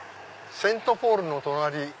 セントポールの隣り。